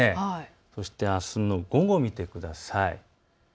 あすの午後、見てください。